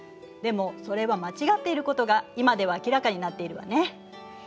でもそれは間違っていることが今では明らかになっているわね。